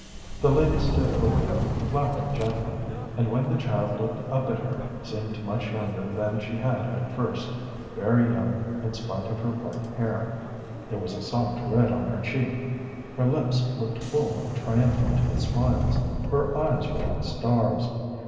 The lady stood over her, laughing gently, and when the child looked up at her, seemed much younger than she had at first, very young in spite of her white hair. There was a soft red on her cheek; her lips looked full and triumphant with smiles; her eyes were like stars.